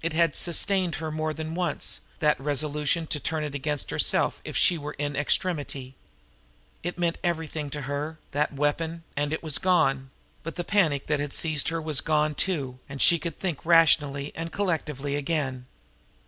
It had sustained her more than once, that resolution to turn it against herself if she were in extremity. It meant everything to her, that weapon, and it was gone now; but the panic that had seized upon her was gone too, and she could think rationally and collectively again.